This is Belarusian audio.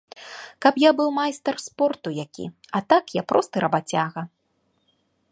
Каб я быў майстар спорту які, а так я просты рабацяга.